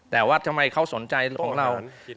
แต่ว่าทำไมเขาสนใจเราเพราะว่ามันเป็นวัหภีร์